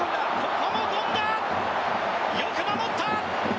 ここも権田、よく守った！